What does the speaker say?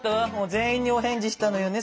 全員にお返事したのよね